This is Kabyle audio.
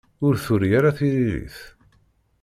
Ur turi ara tiririt.